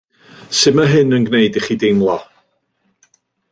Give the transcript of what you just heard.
Sut mae hyn yn gwneud i chi deimlo?